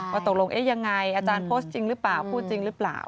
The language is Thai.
ตกลงเอ๊ะยังไงอาจารย์โพสต์จริงหรือเปล่าพูดจริงหรือเปล่า